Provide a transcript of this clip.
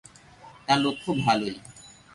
তাঁর লক্ষ ভালই।